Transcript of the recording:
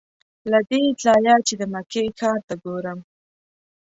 له دې ځایه چې د مکې ښار ته ګورم.